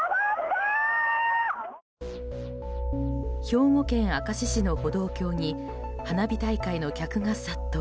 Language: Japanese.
兵庫県明石市の歩道橋に花火大会の客が殺到。